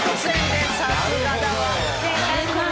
失礼いたします。